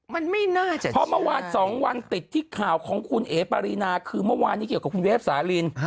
มันไม่น่าเจ็บเพราะเมื่อวาน๒วันติดที่ข่าวของคุณเอ๋ปารีนาคือเมื่อวานนี้เกี่ยวกับคุณเวฟสาลิน